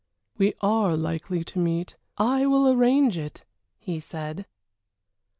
"Yes, we are likely to meet I will arrange it," he said.